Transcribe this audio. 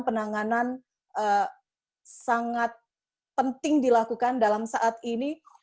saya mengatakan kecepatan penanganan sangat penting dilakukan dalam saat ini